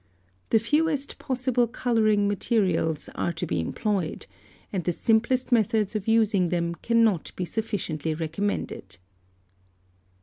The fewest possible colouring materials are to be employed, and the simplest methods of using them cannot be sufficiently recommended.